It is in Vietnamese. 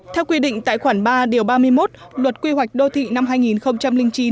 theo quy định tại khoản ba điều ba mươi một luật quy hoạch đô thị năm hai nghìn chín